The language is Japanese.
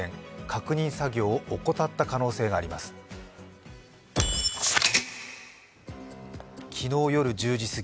確認作業を怠った可能性があります。